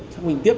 xác minh tiếp